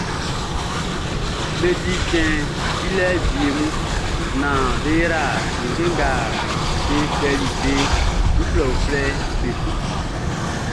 Be di cɛn dilɛ wie mun naan bʼa yra ninnge nga be kpɛli be uflɛuflɛʼn be su.